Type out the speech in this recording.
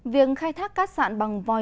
việc khai thác cát sản bằng nguồn sông bồ